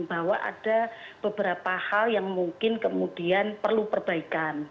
bahwa ada beberapa hal yang mungkin kemudian perlu perbaikan